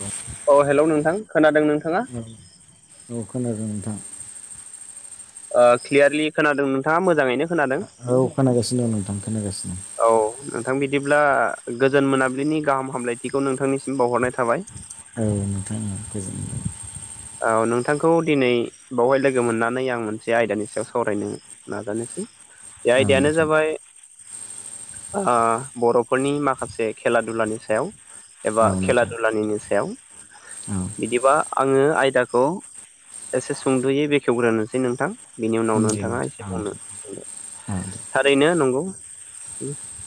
औ अ हेल' नोंथां खोनादों नोंथाङा? औ औ खोनादों नोंथां ओ क्लियारलि खोनादों नोंथाङा मोजाङैनो? खोनादों औ खोनागासिनो दं नोंथां खोनागासिनो दं औ नोंथां बिदिब्ला गोजोन मोनाबिलिनि गाहाम हामलायथिखौ नोंथांनिसिम बावहरनाय थाबाय। औ नोंथां गोजोनथों औ नोंथांखौ दिनै बावहाय लोगो मोननानै आं मोनसे आयदानि सायाव सावरायनो नाजानोसै बे औ आयदायानो नोंथां जाबाय ओ बर'फोरनि माखासे खेला दुलानि सायाव एबा औ खेला नोंथां दुलानिनो सायाव औ बिदिबा आङो दाखौ एसे सुंद'यै बेखेवग्रोनोसै नोंथां। बिनि उनाव दे नोंथाङा एसे नोंथां औ बुंनो नोंथां बुंदो। औ दे थारैनो नंगौ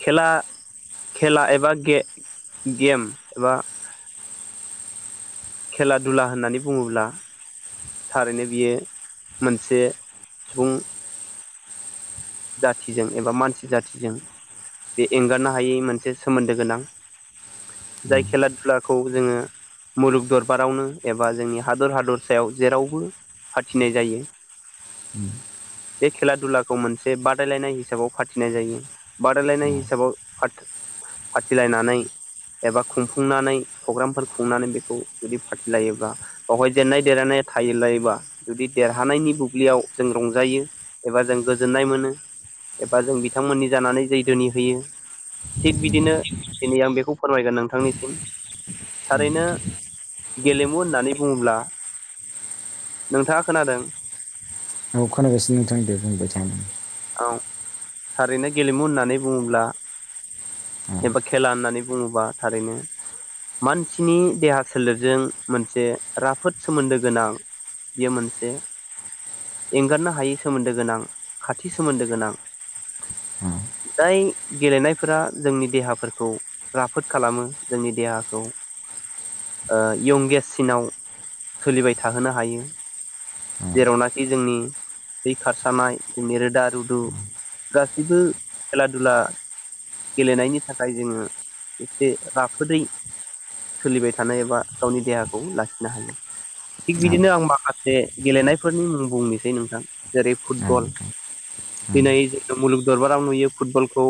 खेला खेला एबा गे गेम एबा खेला दुला होननानै बुङोब्ला थारैनो बियो मोनसे सुबुं जाथिजों एबा मानसि जाथिजों बे एंगारनो हायै मोनसे सोमोन्दो गोनां। जाय उम खेला दधुलाखौ जोङो मुलुग दरबारावनो एबा जोंनि हादर हादरसायाव जेरावबो फाथिनाय जायो उम बे खेला दुलाखौ मोनसे से बादायलायनाय हिसाबाव फाथिनाय जायो औ बादायलायनाय हिसाबाव फाथिलायनानै एबा खुंफुंनानै प्रग्रामफोर खुंनानै बेखौ जुदि फाथिलायोब्ला बेवहाय जेननाय देरायनाय थायो लायोबा जुदि देरहानायनि बुब्लियाव जों रंजायो। एबा जों गोजोननाय मोनो एबा जों बिथांमोननि जानानै जै दोनि होयो। थिग उम बिदिनो दिनै आं बेखौ फोरमायगोन नोंथांनिसिम औ थारैनो नोंथां गेलेमु होननानै बुङोब्ला नोंथाङा खोनादों? औ खोनागासिनो नोंथां दे बुंबायथा। औ थारैनो गेलेमु होननानै बुङोब्ला औ एबा खेला होननानै बुङोबा थारैनो मानसिनि देहा सोलेरजों मोनसे राफोद सोमोन्दो गोनां। बेयो मोनसे एंगारनो हायै सोमोन्दो गोनां। खाथि सोमोन्दो गोनां। औ जाय गेलेनायफोरा जोंनि देहाफोरखौ राफोद खालामो जोंनि देहाखौ ओ यंगेस्टसिनाव सोलिबाय थाहोनो हायो। औ जेरावनाखि जोंनि थै खारसानाय जोंनि रोदा रुदु गासिबो खेला दुला गेलेनायनि थाखाय जोङो एसे राफोदै सोलिबाय थानाय एबा गावनि देहाखौ लाखिनो हायो। थिग औ बिदिनो आं माखासे गेलेनायफोरनि मुं बुंनोसै नोंथां जेरै औ फुटबल नोंथां औ दिनै जोङो मुलुग दरबाराव नुयो फुटबलखौ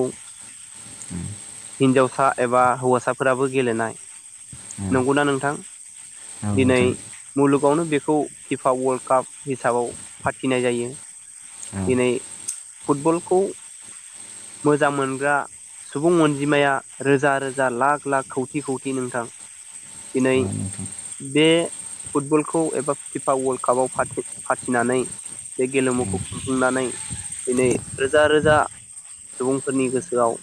हिन्जावसा एबा हौवासाफोराबो गेलेनाय। नंगौना नोंथां? औ दिनै नोंथां मुलुगावनो बेखौ फिफा वर्ल्ड काप हिसाबाव फाथिनाय जायो। औ दिनै फुटबलखौ मोजां मोनग्रा सुबुं अनजिमाया रोजा रोजा लाख लाख खौथि खौथि नोंथां। दिनै अ नोंथां। बे फुटबलखौ एबा फिफा वर्ल्ड कापाव फाथि फाथिनानै बे उम औ गेलेमुखौ खुंनानै दिनै रोजा रोजा सुबुंफोरनि गोसोआव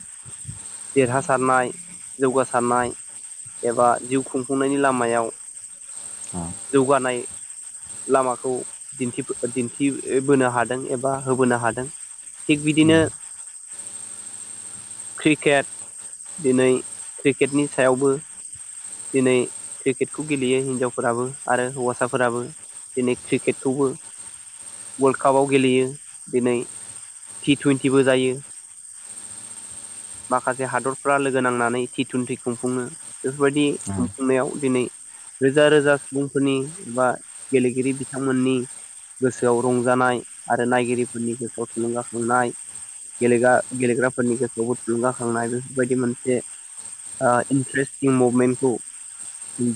देरहासारनाय जौगासारनाय एबा जिउ खुंफुंनायनि लामायाव औ जौगानाय लामाखौ दिथि दिन्थिबोनो हादों। एबा होबोनो हादों थिग बिदिनो क्रिकेट दिनै क्रिकेटनि सायावबो दिनै क्रिकेटखौ गेलेयो हिनजावफोराबो आरो हौवासाफोराबो दिनै क्रिकेटखौबो वर्लड कापाव गेलेयो दिनै टि थुइनथिबो जायो। माखासे हादरफ्रा लोगो नांनानै थि थुनथि खुंफुङनो बेफोरबायदि खुंफुंनायाव दिनै रोजा रोजा सुबुंफोरनि एबा गेलेगिरि बिथांमोननि गोसोआव रंजानाय आरो नायगिरिफोरनि गोसोआव थुलुंगाखांनाय गेलेगा गेलेग्राफोरनि गोसोआवबो थुलुंगाखांनाय बेफोरबायदि मोनसे ओ इन्ट्रेन्सथिं मुभमेन्टखौ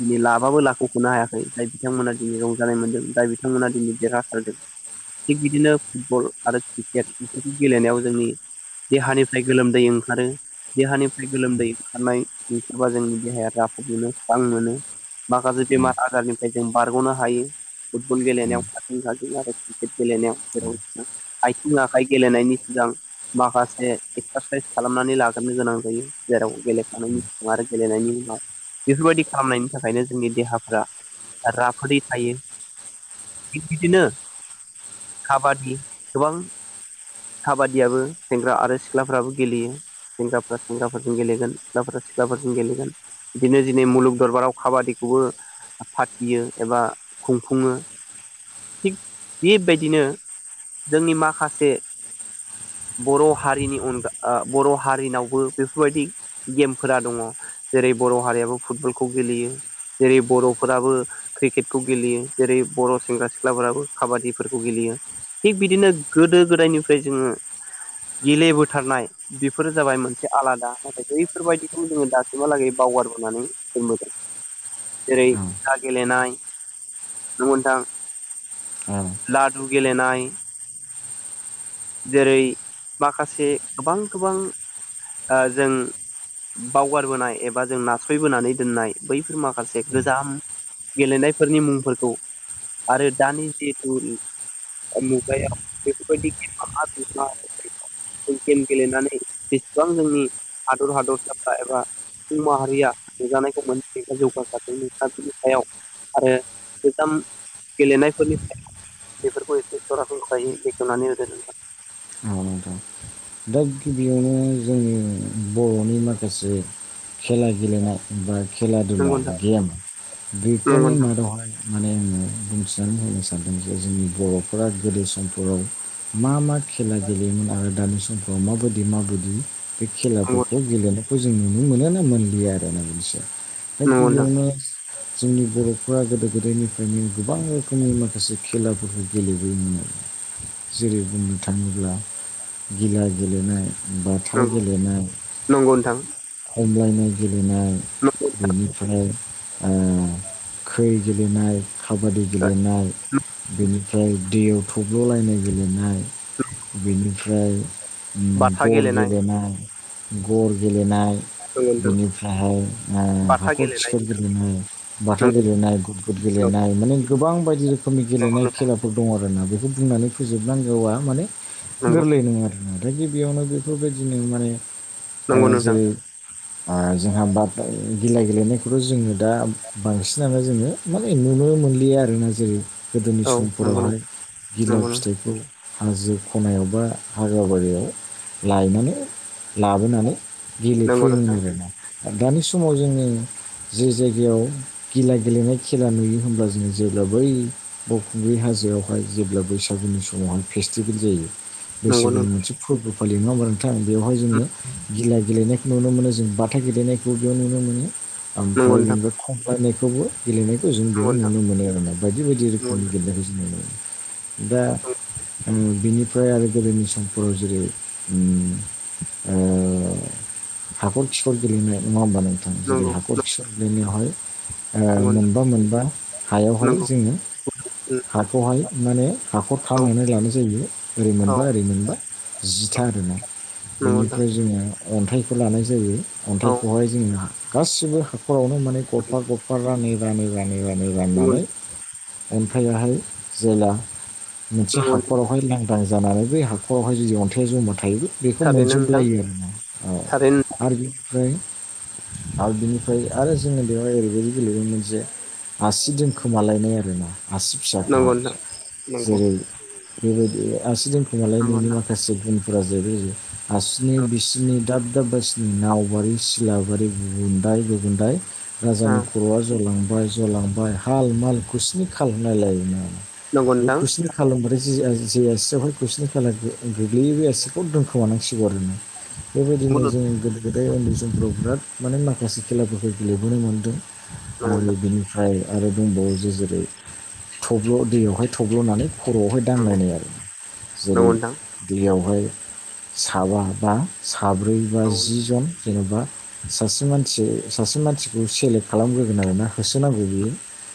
दिनै लाबाबो लाख ख'नो हायाखै जाय बिथांमोना दिनै रंजानाय मोनदों जाय बिथांमोना दिनै देरहाथारदों। थिग बिदिनो फुटबल आरो क्रिकेट बेफोरखौ गेलेनायाव जोंनि देहानिफ्राय गोलोमदै ओंखारो। देहानिफ्राय गोलोमदै ओंखारनाय नओंसखारबा [unintelligible] जोंनि देहाया राफोद मोनो स्रां मोनो माखासे बेमार आजारनिफ्राय जों बारग'नो हायो फुटबल गेलेनायाव खाथिं खाथिं आरो ककेट गेलेनायाव जेराव औ आथिं आखाइ गेलेनायनि सिगां माखासे एक्सारसाइस खालामनानै लागोरनो गोनां जायो। जेराव गेलेखांनायनि उ आरो गेलेनायनि उनाव बेफोरबायदि खालामनायनि थाखायनो जोंनि देहाफ्रा राफोदै थायो थिग बिदिनो खाबादि गोबां खाबादियाबो सेंग्रा आरो सिख्लाफ्राबो गेलेयो। सेंग्राफ्रा सेंग्राफोरजों गेलेगोन सिख्लाफोरा सिख्लाफोरजों गेलेगोन। बिदिनो दिनै मुलुग दरबाराव खाबादिखौबो फाथियो एबा खुंफुङो थिग बेबायदिनो जोंनि माखासे बर' हारिनि अनगा ओ बर' हारिनावबो बेफोरबायदि गेमफोरा दङ जेरै बर' हारियाबो फुटबलखौ गेलेयो। जेरै बर'फोराबो क्रिकेटखौ गेलेयो। जेरै बर' सेंग्रा सिख्लाफोराबो खाबादिफोरखौ गेलेयो थिग बिदिनो गोदो गोदायनिफ्राय जोङो गेलेबोथारनाय बेफोरो जाबाय मोनसे आलादा नाथाय बैफोरबायदिखौ जोङो दासिमहालागै बावगारबोनानै [unintelligible] जेरै हा गेलेनाय नथां [unintelligible] [inaudible] लादु गेलेनाय जेरै माखासे गोबां गोबां ओ जों बावगारबोनाय एबा जों नास्रयबोनानै दोननाय बैफोर माखासे गोजाम गेलेनायफोरनि मुंफोरखौ आरो दानि जिहेथु अु गायाव [unintelligible] बे बदि [unintelligible] बे गेम गेलेनानै जेसेबां नोंनि हादर हादरसाफ्रा एबा सुबुं माहारिया नुजानायखौ मोन जौगासारादों नोंथाननि सायाव। आरो गोजाम गेलेनायफोरनि थाखाय। बेफोरखौ एसे सरासनस्रायै बेखवनानानै होदो नोंथा। [unintelligible] बेयावनो जोंनि बर'नि माखासे। खेला गेलेनाय बा खेला- दुला नंगौ नोंथां गेम नंगौ बेफोरनि नोंथां मादाव होन। माने आङो बुंथिनानै होनो सानदों जे जोंनि बर'फोरा गोदो समफोराव। मा मा खेला गेलेयोमोन आरो दानि समफ्राव माबायदि माबायदि बे खेलाफोरखौ गेलेनो खौ जों नुनो मोनो ना मोनलि आरो मोनसिआ दा नंगौ नोंथां गिबियावनो जोंनि बर'फोरा गोदो गोदायनिफ्रायनो गोबां रोखोमनि माखासे खेलाफोरफोरखौ गेलेबोयोमोनो आरो जेरै बुंनो थाङोब्ला गिला गेलेनाय बाथा गेलेनाय नंगौ नोंथां हमलायनाय गेलेनाय नंगौ। बेनिफ्राय ओ खै गेलेनाय, खाबादि गेलेनाय बेनि। ओमफ्राय दैयाव थब्ल'लायनाय गेलेनाय। बेनिफ्राय बाथा गर गेलेनाय गेलेनाय-गर गेलेनाय। नंगौ नोंथां बेनिफ्रायहाय ओ बाथा हाखर, गेलेनाय खिखर नोंथां गेलेनाय, बाथा नंगौ गेलेनाय ग। गुुट औ गेलेनाय माने गोबां बायदि रोखोमनि नंगौ गेलेनाय नोंथां खेलाफोर दं आरोना बेखौ बुंनानै फोजोबनांगौआ। माने नंगौ गोरलै नङा आरो नाथाय गिबियावनो बेफोरबायदिनो माने। ओ नंगौ नोंथां जेरै। जोंहा बाद गिला गेलेनायखौथ' जोङो दा बांसिनानो जोङो। माने नुनो मोनलिया आरोना जेरै गोदोनि औ नंगौ नंगौ समफोरावहाय गिला नंगौ नोंथां फिथाइखौ। हाजो खनायाव बा हाग्रा बारियाव लायनानै लाबोनानै। नंगौ गेलेफैयोमोन नोंथां आरोना दानि समाव जोङो। जे जायगायाव गिला गेलेनाय खेला नुयो होनोमब्ला जों जेब्ला बै। बावखुंग्रि हाजोआवहाय जेब्ला बैसागुनि समावहाय। फेस्टिभेल जायो नंगौ बैसागुनि नोंथां मोनसे फोरबो फालियो नङा होनबा नोंथां। थां बेवहाय जोङो गिला गेलेनायखौ नुनो मोनो जों बाथा गेलेनायखौ बेयाव नुनो मोनो। नंगौ ओमफ्राय नोंथां बिनिफ्राय खमलायनायखौबो। गेलेनायखौ जों बेयाव नंगौ नोंथां नुनो मोनो आरोना बायदि-बायदि रोखोमनि गेलेनायखौ जों नुनो मोनो दा। ओम बिनिफ्राय आरो गोदोनि समफोराव जेरै ओम ओ। हाखर-खिखर गेलेनाय नङा होमबा नोंथां? जेरै नंगौ नोंथां हाखर-खिखर गेलेनायावहाय। ओ मोनबा-मोनबा हायावहाय नंगौ नंगौ जोङो। हाखौहाय माने हाखर। खामनानै लानाय जायो ओरै औ मोनबा-ओरै मोनबा जिथा आरोना नंगौ नोंथां बेनिफ्राय। जोङो अन्थाइखौ लानाय जायो। औ अन्थाइखौहाय जोङो गासिबो हाखरावनो माने गरफा-गरफा रानै-रानै। रानै-रानै नंगौ राननानै। ओमफ्रायाहाय जेला। मोनसे नंगौ हाखरावहाय लांदां जानानै बे हाखरावहाय जुदि अन्थाइाव जमा थायो। बेखौ थारैनो नोंथां मोनजोबलायो आरो ना औ थारैनो आरो बिनिफ्राय। आरो बिनिफ्राय आरो जोङो बेवहाय ओरैबायदि गेलेदोंमोन जे। आसि दोनखोमालायनाय आरोना आसि। फिसाखौहाय नंगौ दा? जेरै बेबायदि आसि नंगौ दोनखुमालायनायनि नोंथां माखासे गुनफोरा जोबहोयो। औ हासिनि-बिसिनि दाब-दाब बायसिनि नावबारि-सिलाबारि गुबुन्दाय-गुबुन्दाय। राजानि नंगौ नोंथां खर'आ जलांबाय-जलांबाय हाल-माल खुसिनि खालनायलायोमोन आरो। नंगौ बे नोंथां कुइसिनि खालामबाथाय जे आसियावहाय कुइसिनि खालाम गोग्लैयो बे आसिखौ दोन। खोमानांसिगौ आरोना बेबायदिनो जोंनि गोदो-गोदाय उन्दै समफ्राव बिराद। माने माखासे खेलाफोरखौ गेलेबोनो मोनदों नंगौ नंगौ आरो बिनिफ्राय। आरो दंबावो जे जेरै थब्ल' दैयावहाय थब्ल'नानै खर'आवहाय दांनाय आरो जेरै नोंथां दैयावहाय साबा बा साब्रै बा औ जि जन जेन'बा सासे मानसि सासे मानसिखौ सेलेक्ट खालामग्रोगोन आरोना होसोनांगौ बियो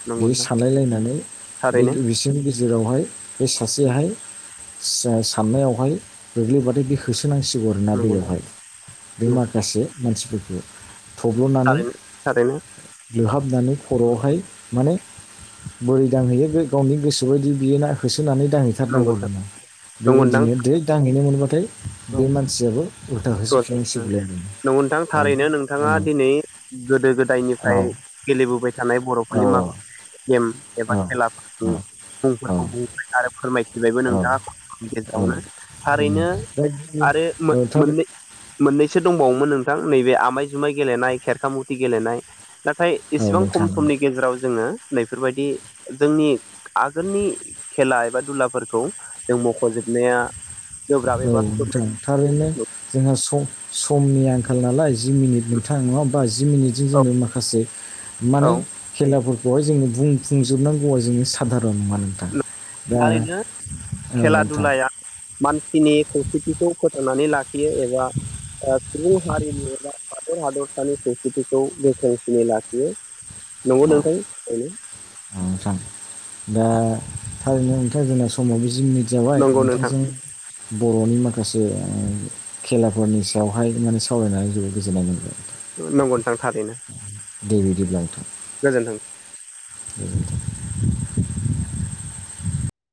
नंगौ बेयो नोंथां सानलायलायनानै बे थारैनो बिसिम गिदिर। जेरावहाय बे सासेहाय सा-साननायावहाय गोग्लैबथाय बि। होसोनांसिगौ आरोना नंगौ नोंथां दैयावहाय बे औ माखासे मानसिफोरखौ। थब्ल'नानै। थारैनो थारैनो लुहाबनानै खर'आवहाय माने बोरै दांहैयो गावनि गोसो गोबायदि बियो होसोनानै नंगौ दांहैथारनांगौ आर नोंथां ना नंगौ नोंथां बेबायदिनो दांहैनो मोनबाथाय औ बे मानसियाबो उल्था होजोबफिननांसिगलाय नंगौ नोंथां थारैनो आरोोना अ नोंथाङा दिनै गोदो गोदायनिफ्राय गेलेबोबाय थानाय औ बर'फोरनि माख गम एबा खेला औ मुंफोरखौ बुंफि आरो फोरमायफिनबायबो औ नोंथाङा खस्नि औ गेजेरावनो थारैनो दा गिबि आरो औ थारै मोननै मोननैसो दंबावोमोन नोंथां नैबे आमाय जुमाय गेलेनाय खेरख मुथि गेलेनाय नाथाय औ एसेबां खम नोंथां समनि गेजेराव जोङो नैफोरबायदि जोंनि आगोलनि खेला एबा दुलाफोरखौ जों मख'जोबनाया गोब्राब औ एबा नोंथां थारैनो जोंहा समनि आंखाल नालाय जि मिनिट नोंथाङा नङा बा जि मिनिटजों औ जोंो माखासे माने औ खेलाफोरखौहाय जोङो बुंफुंजोबनांगौआ जोङो साधारन नङाान नथां दा थारैनो औ खेला नोंथां दुलाया मानसिनि खौसेथिखौ फोथांनानै लाखियो एबा सुबुं हारिनि एबा हादर हादरसानि सस्कृथिखौ बेख्रोंसिै लाखियो नोंगौ थां दा थारैनो ओथां जोंना समाव बे जोंनि जावाय नंगौ नोंथां नोंथांजों बर'नि माखासे खेलाफोरनि सायावहाय माने सावरायनानै जोबोद गोजोननाय मोनगोन नांगौ नोंथां थारैनो दे बिदिब्ला नोंथों गोजोनथोंदों बे